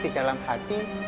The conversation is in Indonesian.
di dalam hati